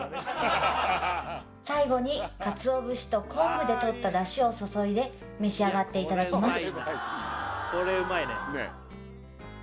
最後に鰹節と昆布でとった出汁を注いで召し上がっていただきます